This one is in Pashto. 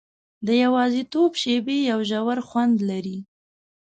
د یوازیتوب شېبې یو ژور خوند لري.